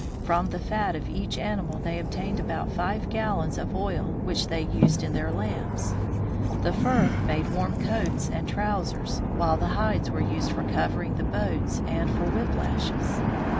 From the fat of each animal they obtained about five gallons of oil, which they used in their lamps. The fur made warm coats and trousers, while the hides were used for covering the boats and for whiplashes.